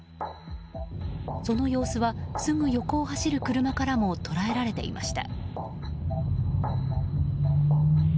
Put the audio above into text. その様子はすぐ横を走る車からも捉えられていました。